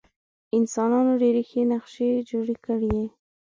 انسانانو ډېرې ښې نقشې جوړې کړې.